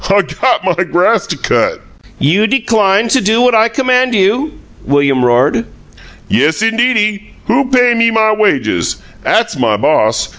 "I got my grass to cut!" "You decline to do what I command you?" William roared. "Yes, indeedy! Who pay me my wages? 'At's MY boss.